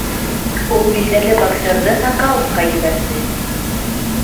Ул билдәле боксерҙы нокаутҡа ебәрҙе